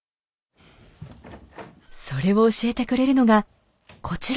それを教えてくれるのがこちらの方。